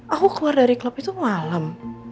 aku keluar dari klub itu malam